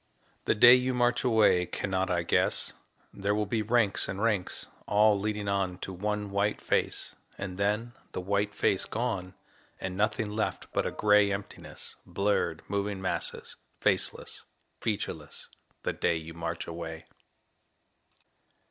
The day you march away cannot I guess? There will be ranks and ranks, all leading on To one white face, and then the white face gone, And nothing left but a gray emptiness Blurred moving masses, faceless, featureless The day you march away.